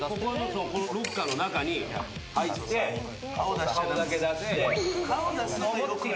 ロッカーの中に入って顔だけ出して。